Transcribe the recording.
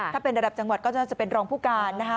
ถ้าเป็นระดับจังหวัดก็จะเป็นรองผู้การนะคะ